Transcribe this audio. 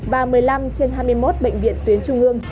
và một mươi năm trên hai mươi một bệnh viện tuyến trung ương